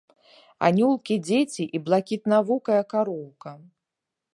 Анёлкі-дзеці і блакітнавокая кароўка.